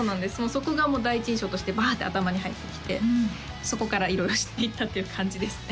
そこが第一印象としてバーッて頭に入ってきてそこから色々知っていったっていう感じですね